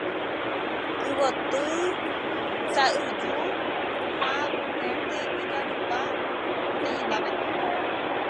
Las flores son de color amarillo o verde y se agrupan en amentos.